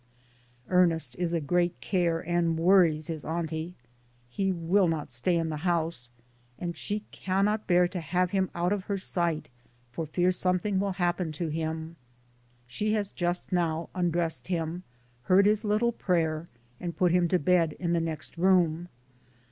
Ernest is a great care and worries his auntie. He will not stay in the house, and she cannot bear to have him out of her sight for fear something will happen to him; she has just now undressed him, heard his little prayer, and put him to bed in the next room.